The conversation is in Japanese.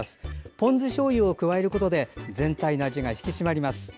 ポン酢しょうゆを加えることで全体の味が引き締まります。